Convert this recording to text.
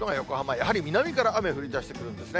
やはり南から雨、降りだしてくるんですね。